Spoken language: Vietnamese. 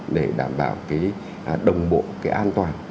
để đảm bảo cái đồng bộ cái an toàn